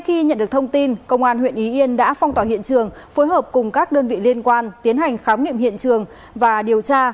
khi nhận được thông tin công an huyện ý yên đã phong tỏa hiện trường phối hợp cùng các đơn vị liên quan tiến hành khám nghiệm hiện trường và điều tra